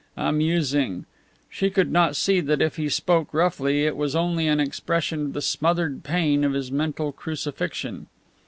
Amusing! She could not see that if he spoke roughly it was only an expression of the smothered pain of his mental crucifixion.